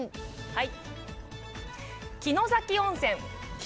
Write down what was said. はい。